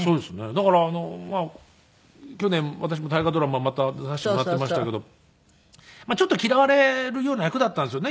だからまあ去年私も大河ドラマまた出させてもらっていましたけどまあちょっと嫌われるような役だったんですよね。